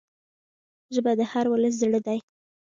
ژبه د هر ولس زړه ده